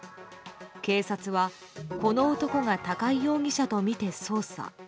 警察はこの男が高井容疑者とみて捜査。